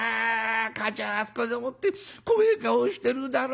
かあちゃんあそこでもって怖え顔してるだろ。